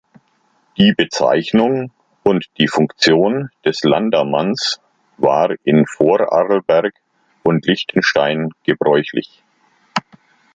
Die Bezeichnung und die Funktion des Landammanns war auch in Vorarlberg und Liechtenstein gebräuchlich.